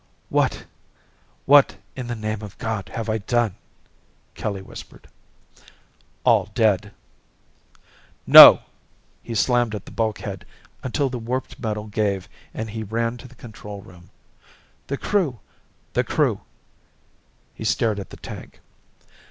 "What what in the name of God have I done?" Kelly whispered. All dead No! He slammed at the bulkhead until the warped metal gave and he ran to the control room. The Crew the Crew He stared at the tank.